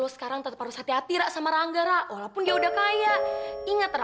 sekalipun bisa ngejatuhin kita